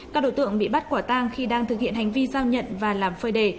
các đối tượng bị bắt quả tang khi đang thực hiện hành vi giao nhận và làm phơi đề